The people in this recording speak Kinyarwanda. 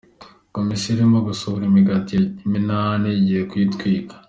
Komisiyo irimo gusohora imigati kwa Minani igiye kuyitwika.